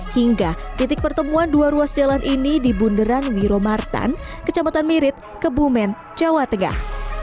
hingga titik pertemuan dua ruas jalan ini di bunderan wiromartan kecamatan mirit kebumen jawa tengah